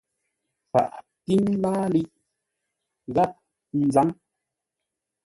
Paghʼə píŋ láaliʼ gháp nzâŋ.